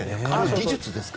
技術ですか。